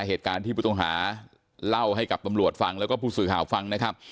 เหตุการณ์ที่ผู้ต้องหาเล่าให้กับตำรวจฟังแล้วก็ผู้สื่อข่าวฟังนะครับ